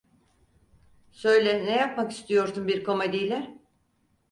Söyle, ne yapmak istiyorsun bir komediyle?